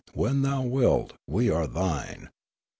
When thou wilt, we are thine.